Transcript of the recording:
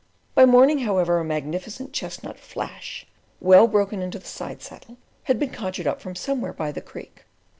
By morning, however, a magnificent chestnut "Flash," well broken into the side saddle, had been conjured up from somewhere by the Creek.